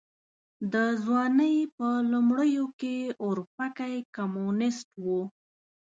د ځوانۍ په لومړيو کې اورپکی کمونيسټ و.